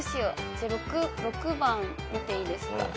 じゃあ６番見ていいですか。